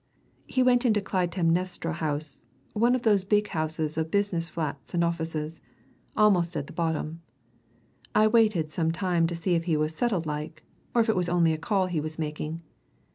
He went into Clytemnestra House one of those big houses of business flats and offices almost at the bottom. I waited some time to see if he was settled like, or if it was only a call he was making.